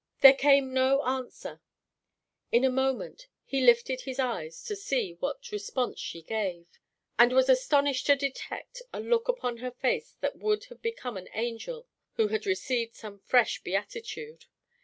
There came no answer; in a moment he lifted his eyes to see what response she gave, and he was astonished to detect a look upon her face that would have become an angel who had received some fresh beatitude.